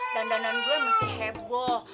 dandanan gue mesti heboh